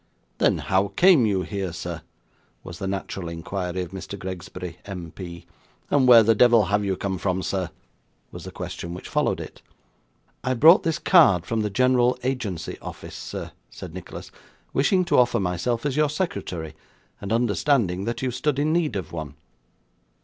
'Then how came you here, sir?' was the natural inquiry of Mr. Gregsbury, MP. 'And where the devil have you come from, sir?' was the question which followed it. 'I brought this card from the General Agency Office, sir,' said Nicholas, 'wishing to offer myself as your secretary, and understanding that you stood in need of one.